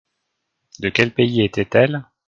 De quel pays était-elle ?